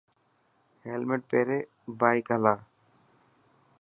هيلمٽ پيري بائڪ هلاءِ.